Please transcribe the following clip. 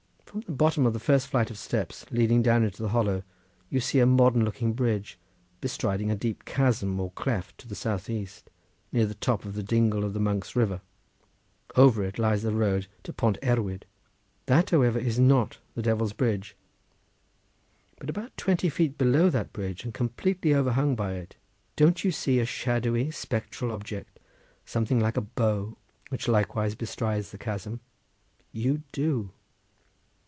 From the bottom of the first flight of steps leading down into the hollow you see a modern looking bridge bestriding a deep chasm or cleft to the southeast, near the top of the dingle of the Monks' River; over it lies the road to Pont Erwyd. That, however, is not the Devil's Bridge—but about twenty feet below that bridge and completely overhung by it, don't you see a shadowy, spectral object, something like a bow, which likewise bestrides the chasm? You do!